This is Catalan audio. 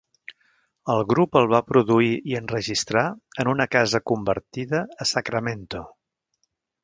El grup el va produir i enregistrar en una casa convertida a Sacramento.